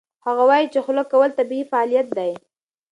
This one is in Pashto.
هغه وايي خوله کول طبیعي فعالیت دی.